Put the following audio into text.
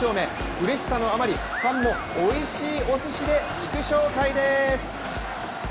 うれしさのあまり、ファンもおいしいおすしで祝勝会です。